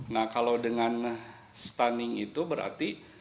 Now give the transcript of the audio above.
nah kalau dengan stunning itu berarti